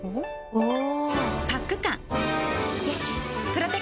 おぉ。